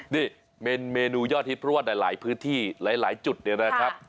นี่เมนูยอดทิศพรวดในหลายพื้นที่หลายจุดนี้นะครับ